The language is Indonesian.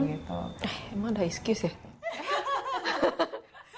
emang ada excuse ya